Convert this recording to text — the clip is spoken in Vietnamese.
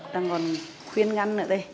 đang còn khuyên ngăn nữa đây